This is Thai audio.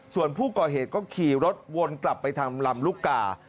ส่วนผู้ก่อเหตุก็ขี่รถวนกลับไปทางลำลูกกา